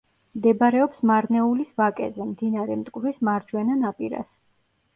მდებარეობს მარნეულის ვაკეზე, მდინარე მტკვრის მარჯვენა ნაპირას.